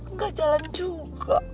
nggak jalan juga